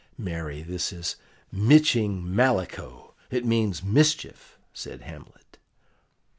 "Marry, this is miching mallecho; it means mischief," said Hamlet.